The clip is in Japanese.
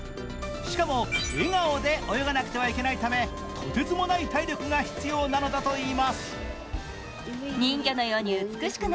しかも、笑顔で泳がなくてはいけないためとてつもない体力が必要なのだといいます。